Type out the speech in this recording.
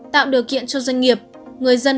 tạo điều kiện cho doanh nghiệp người dân